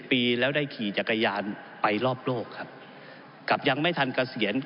ผมอภิปรายเรื่องการขยายสมภาษณ์รถไฟฟ้าสายสีเขียวนะครับ